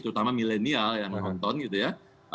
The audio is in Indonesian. terutama milenial yang nonton gitu ya